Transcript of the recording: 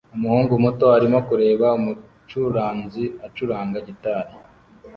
Umuhungu muto arimo kureba umucuranzi acuranga gitari